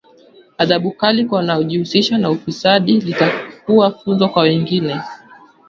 Adhabu kali kwa wanojihusisha na ufisadi litakuwa funzo kwa wengine